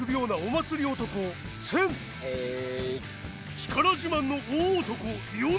力自慢の大男ヨネ。